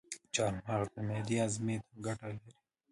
چارمغز د معدې هاضمي ته ګټه لري.